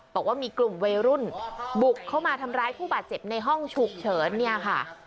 บอกว่ามีกลุ่มวัยรุ่นบุกเข้ามาทำร้ายผู้บาดเจ็บในห้องฉุกเฉินเนี่ยค่ะ